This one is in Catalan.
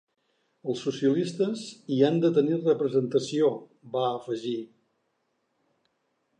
Els socialistes hi han de tenir representació, va afegir.